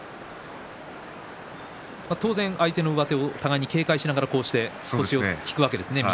当然、相手の上手を互いに警戒しながら右足を引くわけですね。